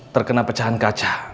terkena pecahan kaca